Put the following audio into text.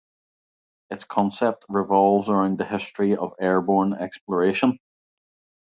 Its concept revolves around the history of airborne exploration.